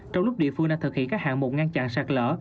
trong lúc địa phương đã thực hiện các hạng mục ngăn chặn sạt lỡ